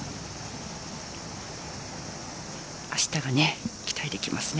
明日が期待できますね。